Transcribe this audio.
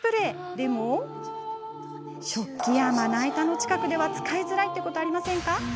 でも、食器やまな板の近くでは使いづらいってことありませんか。